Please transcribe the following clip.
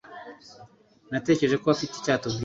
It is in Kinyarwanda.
Natekereje ko afite icyo atubwira.